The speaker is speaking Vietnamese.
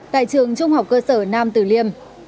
tại trường trung học cơ sở nam từ liêm